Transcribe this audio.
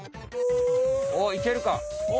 おっいけるか？